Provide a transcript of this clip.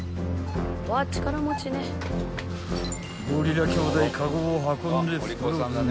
［ゴリラ兄弟カゴを運んで袋詰め］